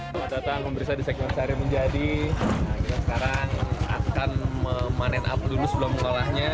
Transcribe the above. ketika datang pemeriksaan di sekiman sari menjadi kita sekarang akan memanen apel dulu sebelum mengolahnya